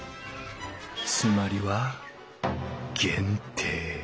つまりは「限定」